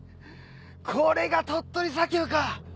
これが鳥取砂丘か。